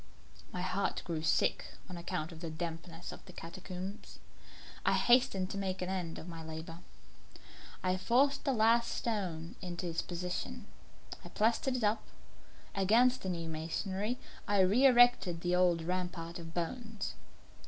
My heart grew sick on account of the dampness of the catacombs. I hastened to make an end of my labour. I forced the last stone into its position; I plastered it up. Against the new masonry I re erected the old rampart of bones.